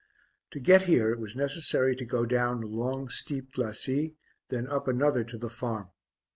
To get here it was necessary to go down a long steep glacis, then up another to the farm.